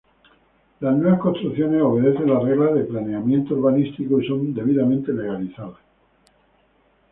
Las nuevas construcciones obedecen las reglas de planeamiento urbanísticos y son debidamente legalizados.